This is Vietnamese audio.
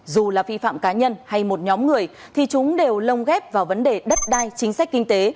dù là vi phạm cá nhân hay một nhóm người thì chúng đều lông ghép vào vấn đề đất đai chính sách kinh tế